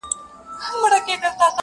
ما به شپېلۍ ږغول،